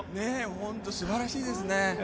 ホントすばらしいですね。